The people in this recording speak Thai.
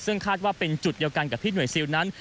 ซึ่งคาดว่าเป็นจุดเดียวกันกับที่หน่วยซิลนั้น